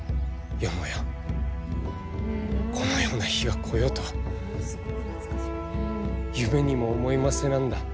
よもやこのような日が来ようとは夢にも思いませなんだ。